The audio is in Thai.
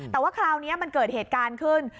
แต่ว่าคราวนี้มันเกิดเหตุการณ์ขึ้น